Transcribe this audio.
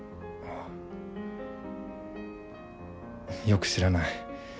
よく知らない。